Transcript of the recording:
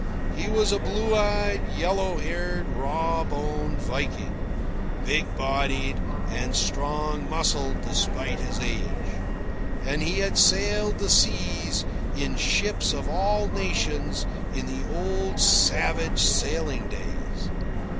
He was a blue eyed, yellow haired, raw boned Viking, big bodied and strong muscled despite his age. And he had sailed the seas in ships of all nations in the old savage sailing days.